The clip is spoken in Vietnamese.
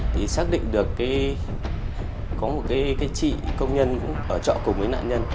thì xác định được có một cái chị công nhân ở trọ cùng với nạn nhân